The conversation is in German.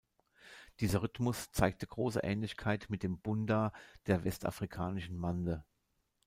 Dieser Rhythmus zeigt große Ähnlichkeit mit dem "Bunda" der westafrikanischen Mande.